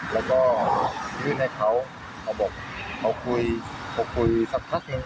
แล้วก็ยืนให้เขาเขาบอกต้องคุยสักพักหนึ่ง